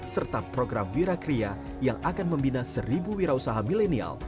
serta program wirakria yang akan membina seribu wirausaha milenial